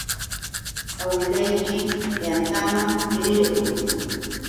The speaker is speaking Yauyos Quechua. Awilayki yantaman rirquy.